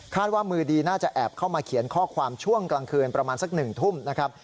ว่ามือดีน่าจะแอบเข้ามาเขียนข้อความช่วงกลางคืนประมาณสัก๑ทุ่มนะครับ